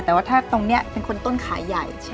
แต่ว่าถ้าตรงนี้เป็นคนต้นขายใหญ่